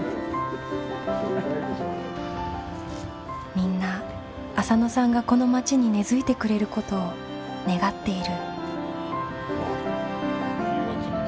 みんな浅野さんがこの町に根づいてくれることを願っている。